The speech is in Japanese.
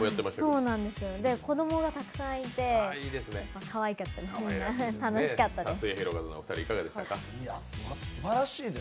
子供がたくさんいてかわいかったです、みんな。